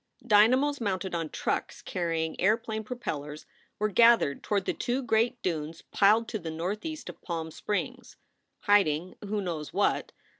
1 Dynamos mounted on trucks carrying airplane pro pellers were gathered toward the two great dunes piled to the northeast of Palm Springs, hiding who knows what?